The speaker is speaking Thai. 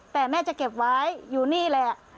แต่แม่จะเก็บไว้อยู่นี่แหละ